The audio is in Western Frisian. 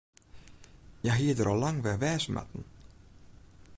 Hja hie der al lang wer wêze moatten.